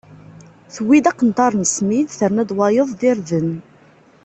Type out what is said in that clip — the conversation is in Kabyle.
Tewwi-d aqenṭar n smid, terna-d wayeḍ d irden.